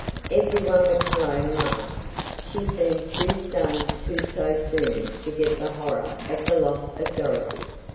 Every one but Cologne laughed she seemed too stunned to so soon forget the horror of the loss of Dorothy.